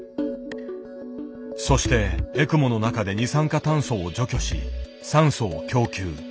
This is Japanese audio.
そしてエクモの中で二酸化炭素を除去し酸素を供給。